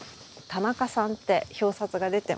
田中さんって表札が出てます。